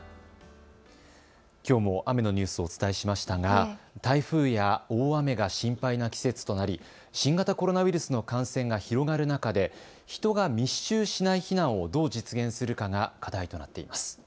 きょうも雨のニュースをお伝えしましたが台風や大雨が心配な季節となり新型コロナウイルスの感染が広がる中で人が密集しない避難をどう実現するかが課題となっています。